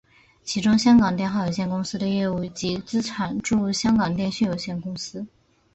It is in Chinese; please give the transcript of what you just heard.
其中香港电话有限公司的业务及资产注入香港电讯有限公司。